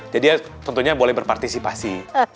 jadi tentunya boleh berpartisipasi